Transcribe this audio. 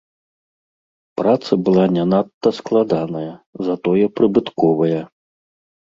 Праца была не надта складаная, затое прыбытковая.